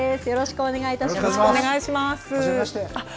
よろしくお願いします。